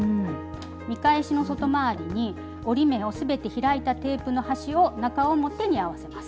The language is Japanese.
見返しの外回りに折り目をすべて開いたテープの端を中表に合わせます。